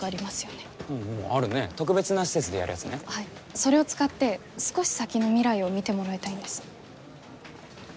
それを使って少し先の未来を見てもらいたいんです。